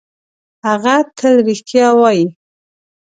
هغه تل رښتیا وايي.